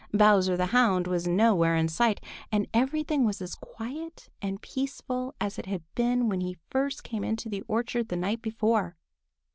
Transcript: Bowser the Hound was nowhere in sight, and everything was as quiet and peaceful as it had been when he first came into the orchard the night before.